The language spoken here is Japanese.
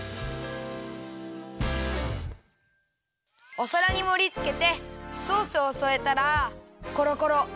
おさらにもりつけてソースをそえたら。